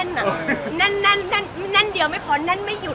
นั่นแน่นเดียวไม่พอแน่นไม่หยุด